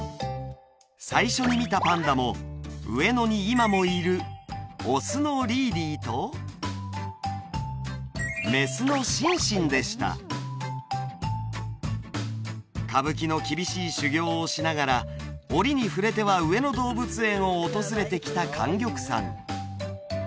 最初に見たパンダも上野に今もいるオスのリーリーとメスのシンシンでした歌舞伎の厳しい修業をしながら折に触れては上野動物園を訪れてきた莟玉さん